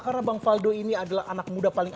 karena bang faldo ini adalah anak muda paling